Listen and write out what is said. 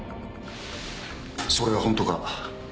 それは本当か？